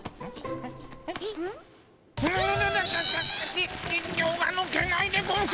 に人形がぬけないでゴンス。